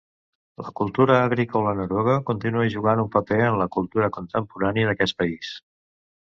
La cultura agrícola noruega continua jugant un paper en la cultura contemporània d'aquest país.